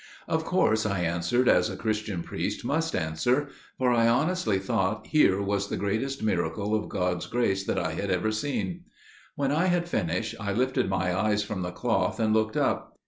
"Of course I answered as a Christian priest must answer, for I honestly thought that here was the greatest miracle of God's grace that I had ever seen. When I had finished I lifted my eyes from the cloth and looked up.